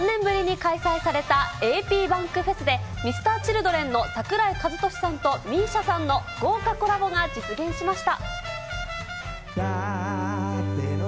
３年ぶりに開催されたａｐｂａｎｋフェスで、Ｍｒ．Ｃｈｉｌｄｒｅｎの桜井和寿さんとＭＩＳＩＡさんの豪華コラボが実現しました。